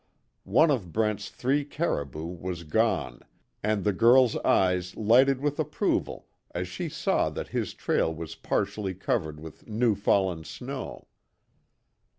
One of Brent's three caribou was gone, and the girl's eyes lighted with approval as she saw that his trail was partially covered with new fallen snow.